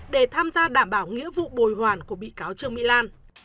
để tham gia đảm bảo nghĩa vụ bồi hoàn của bị cáo trương mỹ lan